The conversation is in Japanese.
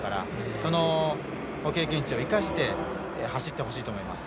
その経験値を生かして走ってほしいと思います。